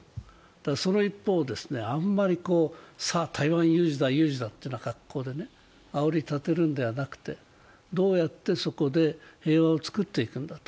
その一方、あんまり、さあ台湾有事だ、有事だという格好であおり立てるのではなくて、どうやってそこで平和を作っていくんだと。